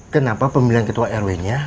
kenapa pemilihan ketua rw nya